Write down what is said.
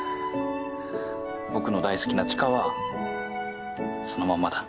僕の大好きな知花はそのままだ。